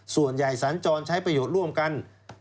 ส่วนใหญ่สัญจรใช้ประโยชน์ร่วมกัน